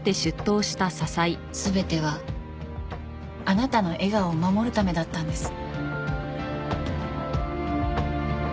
全てはあなたの笑顔を守るためだったんです。